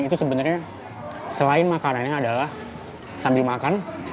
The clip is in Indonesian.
itu sebenarnya selain makanannya adalah sambil makan